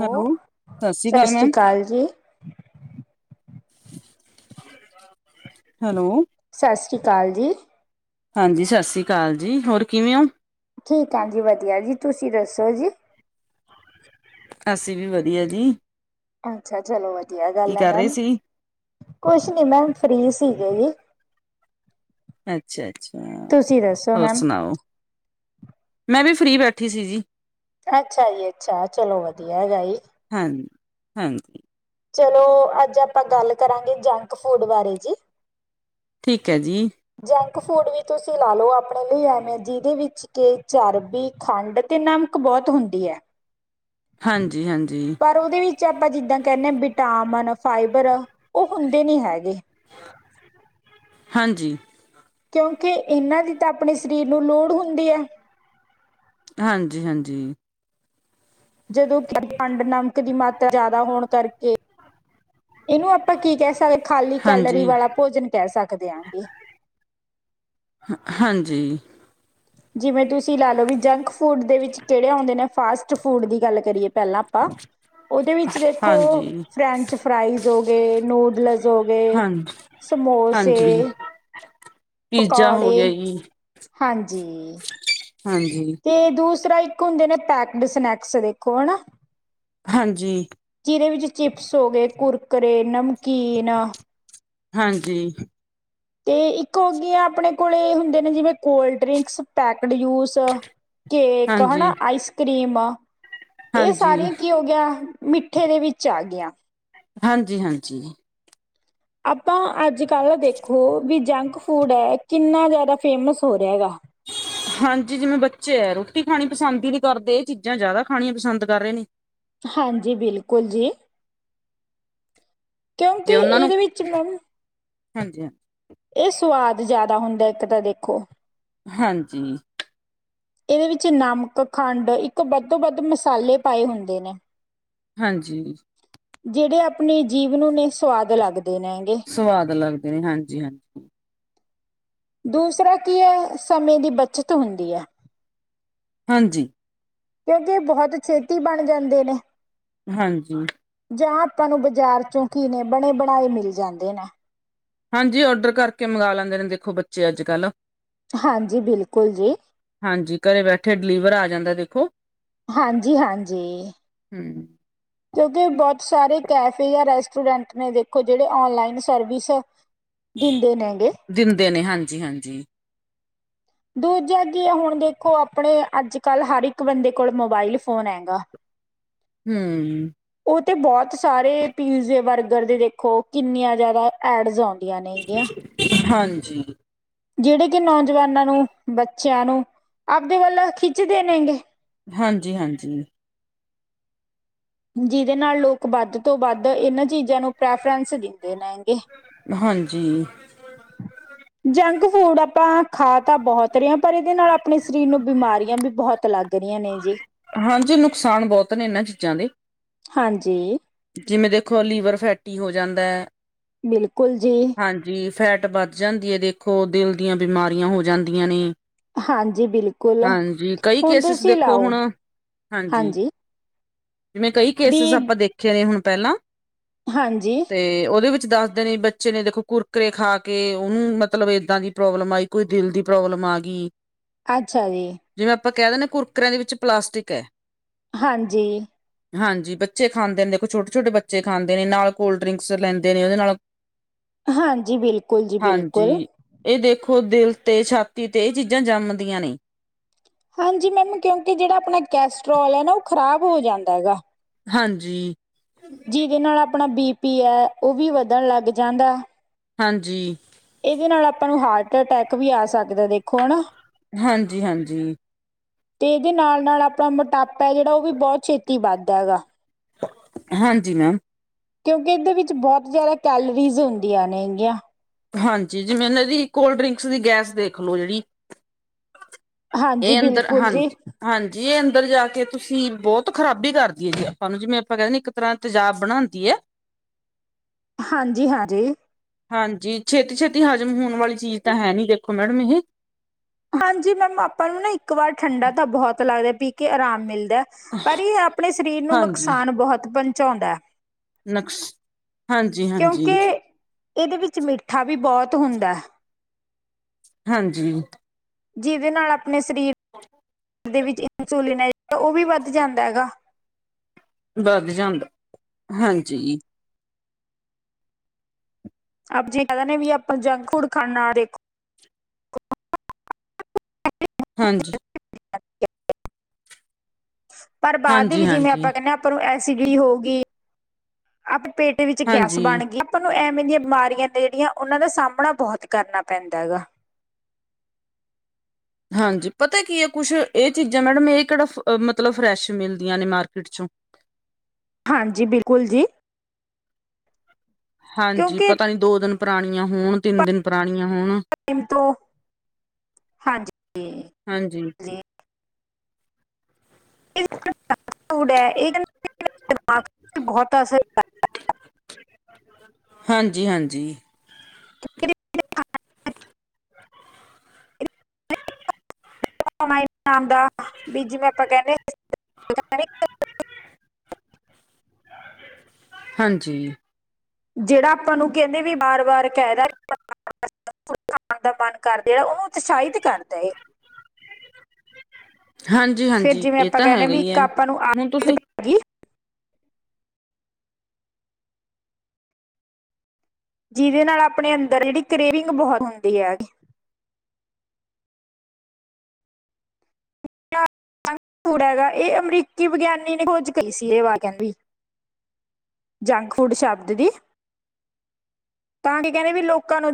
Hello, ਸਸ੍ਰੀ ਸਤਿ ਅਕਾਲ ਸ਼੍ਰੀ ਮੈਮ। ਜੀ, ਹੈਲੋ। ਸਸ੍ਰੀ ਕਾਲ ਜੀ। ਹਾਂਜੀ, ਸਤਿ ਸ਼੍ਰੀ ਅਕਾਲ ਜੀ, ਹੋਰ ਕਿਵੇਂ ਊ? ਠੀਕ ਆ ਜੀ, ਵਧੀਆ ਜੀ, ਤੁਸੀਂ ਦੱਸੋ ਜੀ? ਅਸੀਂ ਵੀ ਵਦੀਆ ਜੀ। ਅੱਛਾ, ਚਲੋ ਵਧੀਆ ਕੀ ਗੱਲ ਆ ਕਰ ਰਹੇ ਮੈਮ, ਸੀ ਕੁਛ ਨੀ ਮੈਮ ਫ੍ਰੀ ਸੀਗੇ ਜੀ। ਅੱਛਾ-ਅੱਛਾ, ਤੁਸੀਂ ਦੱਸੋ ਹੋਰ ਮੈਮ? ਸੁਣਾਓ? ਮੈਂ ਵੀ ਫ੍ਰਰੀ ਬੈਠੀ ਸੀ ਜੀ। ਅੱਛਾ ਜੀ ਅੱਛਾ, ਚਲੋ ਵਧੀਆ ਹੈਗਾ ਈ। ਹੰ-ਹੰ। ਚਲੋਂ, ਅੱਜ ਆਪਾਂ ਗੱਲ ਕਰਾਂਗੇ ਜੰਕ ਫੂਡ ਬਾਰੇ ਜੀ। ਠੀਕ ਐ ਜੀ। ਜੰਕ ਫੂਡ ਵੀ ਤੁਸੀਂ ਲਾ ਲਓ ਆਪਣੇ ਲਈ ਐਵੇਂ, ਜਿਦੇ ਵਿੱਚ ਕੇ ਚਰਬੀ, ਖੰਡ ਤੇ ਨਮਕ ਬਓਤ ਹੁੰਦੀ ਐ। ਹਾਂਜੀ-ਹਾਂਜੀ। ਪਰ ਉਦੇ ਵਿੱਚ ਆਪਾਂ ਜਿੱਦਾਂ ਕੈਂਨੇ ਆ, ਵਿਟਾਮਿਨ, ਫਾਈਬਰ ਓ ਹੁੰਦੇ ਨੀ ਹੈਗੇ। ਹਾਂਜੀ। ਕਿਉਂਕੇ ਇਨਾਂ ਦੀ ਤਾਂ ਆਪਣੇ ਸਰੀਰ ਨੂੰ ਲੋੜ ਹੁੰਦੀ ਐ। ਹਾਂਜੀ-ਹਾਂਜੀ। ਜਦੋਂ ਕੇ ਖੰਡ, ਨਮਕ ਦੀ ਮਾਤਰਾ ਜਾਦਾ ਹੋਣ ਕਰਕੇ ਇਨੂੰ ਆਪਾਂ ਕੀ ਕਹਿ ਸਕਦੇ, ਖਾਲੀ ਕੈਲਰੀ ਹਾਂਜੀ ਵਾਲਾ ਭੋਜਨ ਕਹਿ ਸਕਦੇ ਆ ਗੇ। ਹਾਂਜੀ। ਜਿਵੇਂ ਤੁਸੀਂ ਲਾ ਲੋ ਵੀ ਜੰਕ ਫੂਡ ਦੇ ਵਿੱਚ ਕੇੜੇ ਆਉਂਦੇ ਨੇ ਫਾਸਟ ਫੂਡ ਦੀ ਗੱਲ ਕਰੀਏ ਪਹਿਲਾਂ ਆਪਾਂ, ਉਹਦੇ ਵਿੱਚ ਵੇਖੋ ਹਾਂਜੀ ਫਰੈਂਚ-ਫਰਾਈਜ਼ ਹੋ ਗਏ, ਨੂਡਲਸ ਹੋ ਗਏ, ਹਾਂ ਸਮੋਸੇ। ਹਾਂਜੀ ਪੀਜ਼ਾ ਹੋ ਪਕੌੜੇ ਗਿਆ ਜੀ, ਹਾਂਜੀ ਹਾਂਜੀ। ਤੇ ਦੂਸਰਾ ਇੱਕ ਹੁੰਦੇ ਨੇ ਪੈਕਡ ਸਨੈਕਸ ਦੇਖੋਂ ਹਨਾ। ਹਾਂਜੀ। ਜਿਦੇ ਵਿੱਚ ਚਿਪਸ ਹੋ ਗਏ, ਕੁਰਕਰੇ, ਨਮਕੀਨ। ਹਾਂਜੀ। ਤੇ ਇੱਕ ਹੋ ਗੀ ਆ ਆਪਣੇ ਕੋਲੇ ਹੁੰਦੇ ਨੇ, ਜਿਵੇਂ cold drinks packed juice. Cake ਹਾਨਾ ਹਾਂਜੀ ਆਈਸ ਕਰ੍ਰੀਮ, ਇਹ ਹਾਂਜੀ ਸਾਰੀਆਂ ਕੀ ਹੋ ਗਿ ਗਈਆ, ਮਿੱਠੇ ਦੇ ਵਿੱਚ ਆ ਗਈਆ। ਹਾਂਜੀ-ਹਾਂਜੀ। ਆਪਾਂ ਅੱਜ-ਕੱਲ੍ਹ ਦੇਖੋ, ਵੀ ਜੰਕ-ਫੂਡ ਐ, ਕਿੰਨਾ ਜ਼ਿਆਦਾ ਫੇਮਸ ਹੋ ਰਿਹਾ ਗਾ? ਹਾਂਜੀ, ਜਿਵੇਂ ਬੱਚੇ ਐ ਰੋਟੀ ਖਾਣੀ ਪਸੰਦ ਹੀ ਨੀ ਕਰਦੇ, ਇਹ ਚੀਜ਼ਾਂ ਜ਼ਿਆਦਾ ਖਾਣੀਆਂ ਪਸੰਦ ਕਰ ਰਹੇ ਨੇ। ਹਾਂਜੀ ਬਿਲਕੁਲ ਜੀ। ਕਿਉਂਕਿ ਜੇ ਉਨਾਂ ਨੂੰ, ਇਹਦੇ ਵਿੱਚ ਮੈਮ ਹਾਂਜੀ ਹਾਂ। ਇਹ ਸੁਵਾਦ ਜਾਦਾ ਹੁੰਦਾ ਇੱਕ ਤਾਂ ਦੇਖੋਂ ਹਾਂਜੀ। ਇਦੇ ਵਿੱਚ ਨਮਕ, ਖੰਡ, ਇੱਕ ਵੱਧੋ-ਵੱਧ ਮਸਾਲੇ ਪਾਏ ਹੁੰਦੇ ਨੇ? ਹਾਂਜੀ। ਜੇੜੇ ਆਪਣੀ ਜੀਵ ਨੂੰ ਨੇ ਸਵਾਦ ਲੱਗਦੇ ਨੇ ਗੇ ਸਵਾਦ ਲੱਗਦੇ ਨੇ ਹਾਂਜੀ-ਹਾਂਜੀ। ਦੂਸਰਾ ਕੀ ਹੈ ਸਮੇਂ ਦੀ ਬੱਚਤ ਹੁੰਦੀ ਹੈ। ਹਾਂਜੀ। ਕਿਉਂਕਿ ਐ ਬਹੁਤ ਛੇਤੀ ਬਣ ਜਾਂਦੇ ਨੇ। ਹਾਂਜੀ। ਜਾਂ ਆਪਾਂ ਨੂੰ ਬਾਜ਼ਾਰ ਚੋਂ ਕੀ ਨੇ ਬਣੇ ਬਣਾਏ ਮਿਲ ਜਾਂਦੇ ਨੇ ਹਾਂਜੀ ਔਡਰ ਕਰਕੇ ਮੰਗਵਾ ਲੈਂਦੇ ਨੇ ਦੇਖੋ ਬੱਚੇ ਅੱਜ-ਕੱਲ। ਹਾਂਜੀ ਬਿਲਕੁਲ ਜੀ। ਹਾਂਜੀ ਘਰੇ ਬੈਠੇ ਡਿਲੀਵਰ ਆ ਜਾਂਦਾ ਦੇਖੋ। ਹਾਂਜੀ-ਹਾਂਜੀ। ਹੂੰ! ਕਿਉਂਕਿ ਬਹੁਤ ਸਾਰੇ ਕੈਫੇ ਜਾਂ ਰੈਸਟੋਰੈਂਟ ਨੇ ਦੇਖੋ ਜੇੜੇ ਔਨਲਾਈਨ ਸਰਵਿਸ ਦਿੰਦੇ ਨੇ ਗੇ। ਦਿੰਦੇ ਨੇ ਹਾਂਜੀ-ਹਾਂਜੀ। ਦੂਜਾ ਕੀ ਹੈ ਹੁਣ ਦੇਖੋ ਆਪਣੇ ਅੱਜ-ਕੱਲ ਹਰ ਇੱਕ ਬੰਦੇ ਕੋਲ ਮੋਬਾਇਲ ਫੋਨ ਹੈਗਾ। ਹੂੰ! ਓ ਤੇ ਬਹੁਤ ਸਾਰੇ ਪੀਜ਼ੇ, ਬਰਗਰ ਦੇ ਦੇਖੋ ਕਿੰਨੀਆਂ ਜ਼ਿਆਦਾ ਐਡਸ ਆਉਂਦੀਆਂ ਨੇ ਗਈਆ। ਹਾਂਜੀ। ਜਿਹੜੇ, ਕਿ ਨੌਜਵਾਨਾਂ ਨੂੰ ਬੱਚਿਆਂ ਨੂੰ, ਆਪਦੇ ਵੱਲ ਖਿੱਚਦੇ ਨੇਗੇ ਹਾਂਜੀ -ਹਾਂਜੀ। ਜਿਹਦੇ ਨਾਲ, ਲੋਕ ਵੱਧ ਤੋਂ ਵੱਧ ਇਹਨਾਂ ਚੀਜ਼ਾਂ ਨੂੰ ਪ੍ਰੈਫਰੈਂਸ ਦਿੰਦੇ ਨੇ, ਹਾਂਜੀ। ਜੰਕ ਫੂਡ ਆਪਾਂ ਖਾ ਤਾਂ ਬਹੁਤ ਰਹੇ ਹਾਂ, ਪਰ ਇਹਦੇ ਨਾਲ ਆਪਣੇ ਸਰੀਰ ਨੂੰ ਬਿਮਾਰੀਆਂ ਵੀ ਬਹੁਤ ਲੱਗ ਦੁਨੀਆਂ ਨੇ ਜੀ। ਹਾਂਜੀ, ਨੁਕਸਾਨ ਬਹੁਤ ਨੇ, ਇਹਨਾਂ ਚੀਜ਼ਾਂ ਦੇ। ਹਾਂਜੀ। ਜਿਵੇਂ ਦੇਖੋ ਲੀਵਰ ਫੈਟੀ ਹੋ ਜਾਂਦਾ ਹੈ। ਬਿਲਕੁਲ ਜੀ। ਹਾਂਜੀ ਫੈਟ ਵੱਧ ਜਾਂਦੀ ਹੈ, ਦੇਖੋ ਦਿਲ ਦੀਆਂ ਬਿਮਾਰੀਆਂ ਹੋ ਜਾਂਦੀਆਂ ਨੇ। ਹਾਂਜੀ ਬਿਲਕੁਲ ਹਾਂਜੀ, ਕਈ ਹੁਣ ਕੇਸਿਸ ਤੁਸੀਂ ਦੇਖੋ ਲਾਓ ਹੁਣ ਹਾਂਜੀ ਜਿਵੇਂ, ਕਈ ਵੀ ਕੇਸਿਸ ਆਪਾਂ ਦੇਖੇ ਨੇ, ਹੁਣ ਪਹਿਲਾਂ ਹਾਂਜੀ। ਤੇ, ਉਹਦੇ ਵਿੱਚ, ਦੱਸਦੇ ਨੇ ਬੱਚੇ ਨੇ ਦੇਖੋ ਕੁਰਕਰੇ ਖਾ ਕੇ, ਉਹਨੂੰ ਮਤਲਬ ਏਦਾਂ ਦੀ ਪ੍ਰੋਬਲਮ ਆਈ। ਕੋਈ ਦਿਲ ਦੀ ਪ੍ਰੋਬਲਮ ਆ ਗਈ। ਅੱਛਾ ਜੀ। ਜਿਵੇਂ ਆਪਾਂ ਕਹਿ ਦਿੰਦੇ, ਕੁਰਕਰਿਆਂ ਦੇ ਵਿੱਚ ਪਲਾਸਟਿਕ ਹੈ। ਹਾਂਜੀ। ਹਾਂਜੀ ਬੱਚੇ ਖਾਂਦੇ ਨੇ ਦੇਖੋ ਛੋਟੇ ਛੋਟੇ ਬੱਚੇ ਖਾਂਦੇ ਨੇ, ਨਾਲ ਕੋਲਡ ਡਰਿੰਕਸ ਲੈਂਦੇ ਨੇ ਉਹਦੇ ਨਾਲ ਹਾਂਜੀ, ਬਿਲਕੁਲ ਜੀ, ਬਿਲਕੁਲ। ਹਾਂਜੀ ਇਹ ਦੇਖੋ ਦਿਲ ਤੇ, ਛਾਤੀ ਤੇ, ਇਹ ਚੀਜ਼ਾਂ ਜੰਮਦੀਆਂ ਨੇ। ਹਾਂਜੀ ਮੈਮ, ਕਿਉਂਕਿ ਜਿਹੜਾ ਆਪਣਾ ਕੈਸਟਰ੍ਰੋਲ ਹੈ, ਨਾ ਉਹ ਖਰਾਬ ਹੋ ਜਾਂਦਾ ਹੈਗਾ। ਹਾਂਜੀ। ਜਿਹਦੇ ਨਾਲ, ਆਪਣਾ ਬੀ ਪੀ ਹੈ, ਉਹ ਵੀ ਵੱਧਣ ਲੱਗ ਜਾਂਦਾ। ਹਾਂਜੀ। ਇਹਦੇ ਨਾਲ ਆਪਾਂ ਨੂੰ ਹਾਰਟ ਅਟੈਕ ਵੀ ਆ ਸਕਦਾ ਦੇਖੋ ਹਨਾ। ਹਾਂਜੀ -ਹਾਂਜੀ। ਤੇ ਇਹਦੇ ਨਾਲ -ਨਾਲ ਆਪਣਾ ਮੋਟਾਪਾ ਜਿਹੜਾ ਉਹ ਵੀ ਬਹੁਤ ਛੇਤੀ ਵੱਧਦਾ ਹੈਗਾ। ਹਾਂਜੀ ਮੈਮ। ਕਿਉਂਕਿ, ਇਹਦੇ ਵਿੱਚ, ਬਹੁਤ ਜਿਆਦਾ ਕੈਲਰੀਜ਼ ਹੁੰਦੀਆਂ ਨੇ ਹੈਗੀਆਂ। ਹਾਂਜੀ, ਜਿਵੇਂ ਇਹਦੀ ਕੋਲਡ ਡਰਿੰਕਸ ਦੀ ਗੈਸ ਦੇਖਲੋ ਜਿਹੜੀ ਹਾਂਜੀ ਇਹ ਅੰਦਰ ਬਿਲਕੁਲ ਜੀ ਹਾਂਜੀ! ਹਾਂਜੀ ਇਹ ਅੰਦਰ ਜਾ ਕੇ ਤੁਸੀਂ, ਬਹੁਤ ਖਰਾਬੀ ਕਰਦੀ ਹੈ, ਜੀ ਆਪਾਂ ਨੂੰ ਜਿਵੇਂ ਆਪਾਂ ਕਹਿੰਦੇ ਇੱਕ ਇਸ ਤਰ੍ਹਾਂ ਤਜਾਬ ਬਣਾਉਦੀ ਹੈ। ਹਾਂਜੀ, ਹਾਂਜੀ। ਹਾਂਜੀ, ਛੇਤੀ -ਛੇਤੀ ਹਜ਼ਮ ਹੋਣ ਵਾਲੀ ਚੀਜ਼ ਤਾਂ ਹੈ, ਨੀ ਦੇਖੋ ਮੈਡਮ ਇਹ। ਹਾਂਜੀ ਮੈਮ, ਆਪਾਂ ਨੂੰ ਨਾ ਇੱਕ ਵਾਰ ਠੰਡਾ ਤਾਂ ਬਹੁਤ ਲੱਗਦਾ, ਪੀ ਕੇ ਆਰਾਮ ਮਿਲਦਾ। ਪਰ, ਇਹ ਆਪਣੇ ਸਰੀਰ ਨੂੰ ਹਾਂਜੀ ਨੁਕਸਾਨ ਬਹੁਤ ਪਹੁੰਚਾਉਂਦਾ। ਨਕਸ਼, ਹਾਂਜੀ- ਹਾਂਜੀ। ਕਿਉਂਕਿ ਇਹਦੇ ਵਿੱਚ, ਮਿੱਠਾ ਵੀ ਬਹੁਤ ਹੁੰਦਾ। ਹਾਂਜੀ। ਜਿਦੇ ਨਾਲ ਆਪਣੇ ਸਰੀਰ। [inaudible] ਦੇ ਵਿੱਚ ਇਕ ਚੁਲੇ ਦੇ ਉਹ ਵੀ ਵੱਧ ਜਾਂਦਾ ਐ ਗਾ। ਵੱਧ ਜਾਂਦਾ, ਹਾਂਜੀ। ਆਪ ਜੇ ਕਹਿ ਦਿਨੇ ਆ ਵੀ ਆਪਾਂ ਜੰਕ ਫੂਡ ਖਾਣਾ ਦੇਖੋ। ਹਾਂਜੀ। ਪਰ ਬਾਦ ਦੇ ਹਾਂਜੀ ਵਿੱਚ ਜਿਵੇਂ ਹਾਂਜੀ ਆਪਾਂ ਕਹਿਨੇ ਆ ਆਪਾਂ ਨੂੰ ਐਸਿਡਿਟੀ ਹੋ ਗਈ। ਆਪਣੇ ਪੇਟ ਵਿੱਚ ਗੈਸ ਬਣ ਹਾਂਜੀ ਗਈ, ਆਪਾਂ ਨੂੰ ਐਵੇਂ ਦੀਆਂ ਬਿਮਾਰੀਆਂ ਨੇ ਜਿਹੜੀਆਂ ਉਹਨਾਂ ਦਾ ਸਾਹਮਣਾ ਬਹੁਤ ਕਰਨਾ ਪੈਂਦਾ ਹੈਗਾ। ਹਾਂਜੀ ਪਤਾ ਕੀ ਐ ਕੁਛ ਇਹ ਚੀਜ਼ਾਂ ਮੈਡਮ ਇਹ ਕਿਹੜਾ ਮਤਲਬ ਫਰੈਸ਼ ਮਿਲਦੀਆਂ ਨੇ ਮਾਰਕੀਟ ਚੋਂ। ਹਾਂਜੀ ਬਿਲਕੁਲ ਜੀ। ਹਾਂਜੀ ਕਿਉਂਕਿ ਪਤਾ ਨੀ ਦੋ ਦਿਨ ਪੁਰਾਣੀਆਂ ਹੋਣ। ਤਿੰਨ ਦਿਨ ਪੁਰਾਣੀਆਂ ਹੋਣ, ਟਾਈਮ ਤੋਂ ਹਾਂਜੀ ਹਾਂਜੀ। ਜੀ ਇਹ [unintelligible] ਬਹੁਤ ਅਸਰ ਹਾਂਜੀ, ਹਾਂਜੀ। [inaudible] [unintelligible] ਨਾਮ ਦਾ, ਵੀ ਜਿਵੇ ਆਪਾਂ ਕਹਿੰਦੇ ਆ। ਹਾਂਜੀ ਜਿਹੜਾ ਆਪਾਂ ਨੂੰ ਕਹਿੰਦੇ ਵੀ ਵਾਰ-ਵਾਰ ਕਹਿ ਦਾ ਖਾਣ ਦਾ ਮਨ ਕਰ ਰਿਆ ਉਹਨੂੰ ਉਤਸ਼ਾਹਿਤ ਕਰਦਾ ਐ। ਹਾਂਜੀ, ਫਿਰ ਹਾਂਜੀ ਜਿਵੇਂ ਇਹ ਆਪਾਂ ਤਾਂ ਕਹਿੰਦੇ ਹੈਗਾ ਵੀ ਈ ਇੱਕ ਐ ਆਪਾਂ ਨੂੰ ਹੁਣ ਆਦਤ ਤੁਸੀਂ, ਪੈ ਗਈ ਜਿਹਦੇ ਨਾਲ ਆਪਣੇ ਅੰਦਰ ਜਿਹੜੀ ਕਰੇਵਿੰਗ ਬਹੁਤ ਹੁੰਦੀ ਐ। ਤੂੜਾ ਹੈਗਾ ਇਹ ਅਮਰੀਕੀ ਵਿਗਿਆਨੀ ਨੇ ਖੋਝ ਕਰੀ ਸੀ ਇਹ [unintelligible] ਜੰਕ ਫੂਡ ਸ਼ਬਦ ਦੀ, ਤਾਂ ਕਿ ਕਹਿੰਦੇ ਵੀ ਲੋਕਾਂ ਨੂੰ